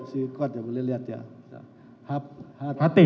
si kuat yang mulia lihat ya